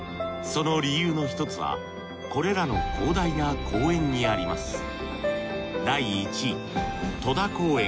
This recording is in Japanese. その理由の一つはこれらの広大な公園にあります